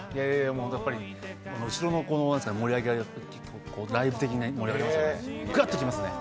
後ろの盛り上げがライブ的に盛り上がりますよね、グッと来ますね。